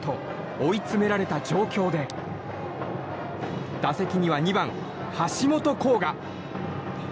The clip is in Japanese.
追い詰められた状況で打席には２番、橋本航河。